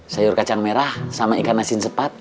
sayur kacang merah sama ikan asin cepat